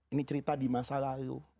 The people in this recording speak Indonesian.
ini cerita di masa lalu